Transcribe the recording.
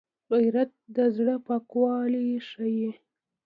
غیرت د زړه پاکوالی ښيي